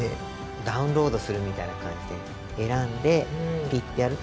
ダウンロードするみたいな感じで選んでピッてやるとそれが出てくる。